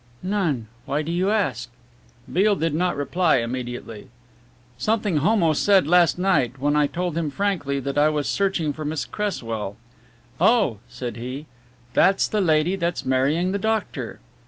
"None why do you ask?" Beale did not reply immediately. "Something Homo said last night when I told him frankly that I was searching for Miss Cresswell. 'Oh,' said he, 'that's the lady that's marrying the doctor.'